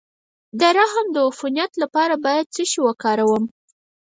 د رحم د عفونت لپاره باید څه شی وکاروم؟